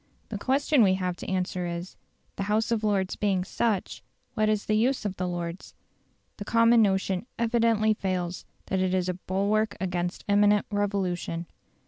The question we have to answer is, "The House of Lords being such, what is the use of the Lords?" The common notion evidently fails, that it is a bulwark against imminent revolution.